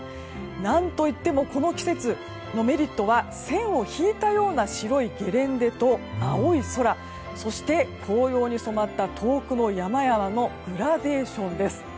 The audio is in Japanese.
何といってもこの季節のメリットは線を引いたような白いゲレンデと青い空そして紅葉に染まった遠くの山々のグラデーションです。